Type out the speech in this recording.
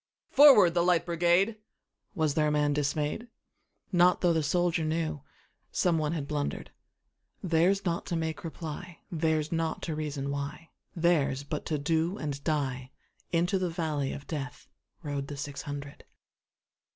"Forward, the Light Brigade!"Was there a man dismay'd? Not tho' the soldier knewSome one had blunder'd:Theirs not to make reply, Theirs not to reason why, Theirs but to do and die:Into the valley of DeathRode the six hundred.